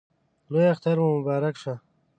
لوی اختر مو مبارک شه!